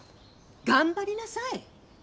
頑張りなさい。